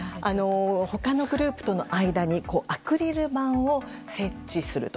他のグループとの間にアクリル板を設置すると。